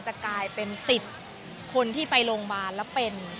จะกลายเป็นติดคนที่ไปโรงพยาบาลแล้วเป็น